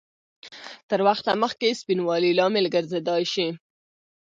تر وخته مخکې سپینوالي لامل ګرځېدای شي؟